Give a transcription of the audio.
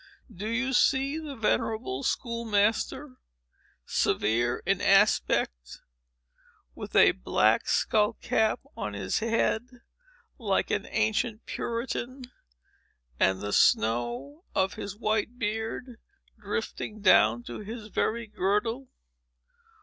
Do you see the venerable school master, severe in aspect, with a black scull cap on his head, like an ancient Puritan, and the snow of his white beard drifting down to his very girdle?